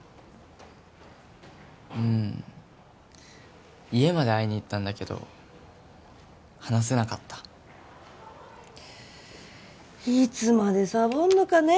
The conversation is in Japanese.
うん家まで会いに行ったんだけど話せなかったいつまでサボんのかね